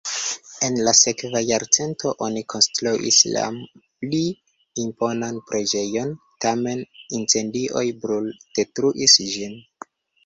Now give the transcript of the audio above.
En la sekva jarcento oni konstruis jam pli imponan preĝejon, tamen incendioj bruldetruis ĝin.